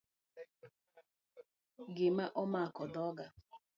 Gima omako dhoga